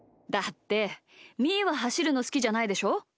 だってみーははしるのすきじゃないでしょ？